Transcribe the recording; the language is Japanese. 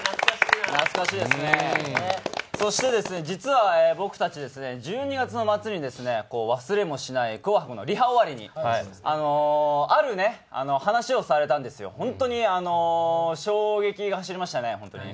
そして実は僕たち１２月の末に忘れもしない「紅白」のリハ終わりにある話をされたんですよ、本当に衝撃が走りましたね。